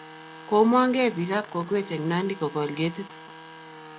Komang nge bik ab kokwet eng Nandi kokol ketik